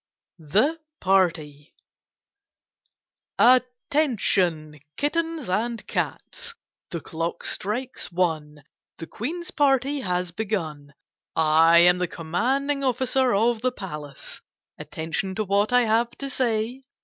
22 KITTEI^S AKD CATS THE PARTY Attention, kittens and cats ! The clock strikes one. The Queen's party has begun. I am the Commanding Officer of the palace. Attention to what I have to say